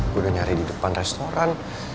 udah nyari di depan restoran